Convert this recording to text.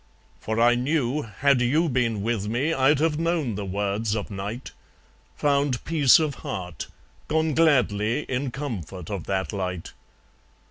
For I knew, had you been with me I'd have known the words of night, Found peace of heart, gone gladly In comfort of that light.